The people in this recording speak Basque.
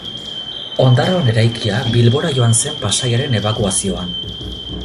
Ondarroan eraikia, Bilbora joan zen Pasaiaren ebakuazioan.